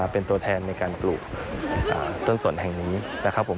เป็นตัวแทนในการปลูกต้นสนแห่งนี้นะครับผม